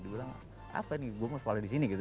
dibilang apa nih gue mau sekolah di sini gitu